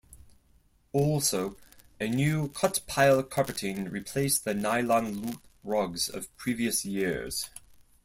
Also, a new cut-pile carpeting replaced the nylon loop rugs of previous years.